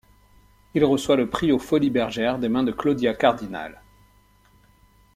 Il reçoit le prix aux Folies Bergère, des mains de Claudia Cardinale.